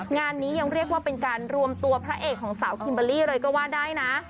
งานนี้ยังเรียกว่าเป็นการรวมตัวพระเอกของสาวคิมเบอร์รี่เลยก็ว่าได้นะ